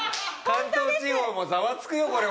関東地方もざわつくよこれ。